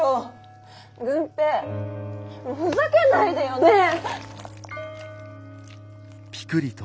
郡平フザけないでよねえ。